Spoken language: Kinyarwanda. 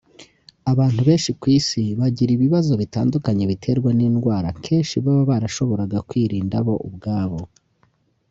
Abantu benshi ku isi bagira ibibazo bitandukanye biterwa n’indwara akenshi baba barashohoraga kwirinda bo ubwabo